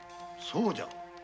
そうじゃ！